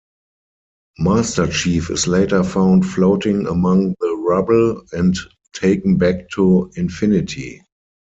Master Chief is later found floating among the rubble, and taken back to "Infinity".